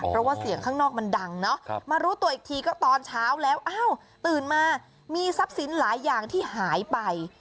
เพราะว่าเสียงข้างนอกมันดังเนาะมารู้ตัวอีกทีก็ตอนเช้าแล้วอ้าวตื่นมามีทรัพย์สินหลายอย่างที่หายไป